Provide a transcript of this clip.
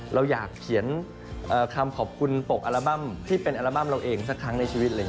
เราอยากเขียนคำขอบคุณปกอัลบั้มที่เป็นอัลบั้มเราเองสักครั้งในชีวิตเลย